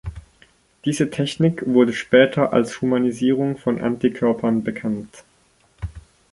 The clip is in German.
Diese Technik wurde später als Humanisierung von Antikörpern bekannt.